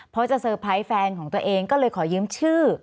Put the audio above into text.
เพราะจะเตอร์ไพรส์แฟนของตัวเองก็เลยขอยืมชื่อ